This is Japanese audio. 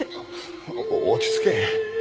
お落ち着け。